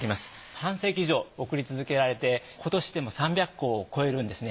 半世紀以上贈り続けられて今年でもう３００個を超えるんですね。